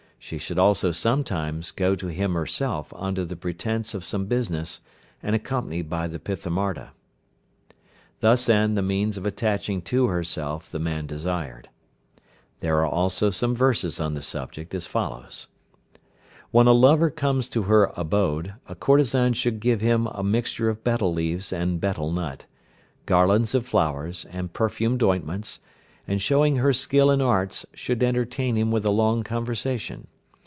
She should also sometimes go to him herself under the pretence of some business, and accompanied by the Pithamarda. Thus end the means of attaching to herself the man desired. There are also some verses on the subject as follows: "When a lover comes to her abode, a courtesan should give him a mixture of betel leaves and betel nut, garlands of flowers, and perfumed ointments, and, showing her skill in arts, should entertain him with a long conversation.